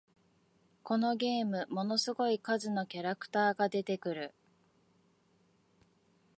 このゲーム、ものすごい数のキャラクターが出てくる